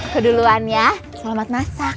keduluan ya selamat masak